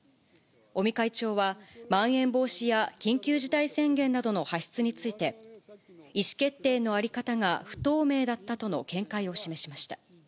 尾身会長は、まん延防止や緊急事態宣言などの発出について、意思決定の在り方が不透明だったとの見解を示しました。